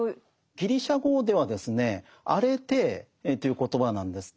ギリシャ語ではですね「アレテー」という言葉なんです。